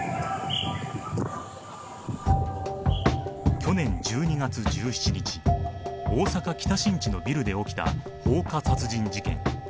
去年１２月１７日、大阪・北新地のビルで起きた放火殺人事件。